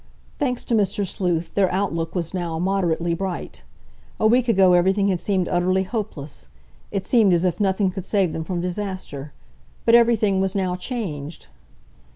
Thanks to Mr. Sleuth, their outlook was now moderately bright. A week ago everything had seemed utterly hopeless. It seemed as if nothing could save them from disaster. But everything was now changed!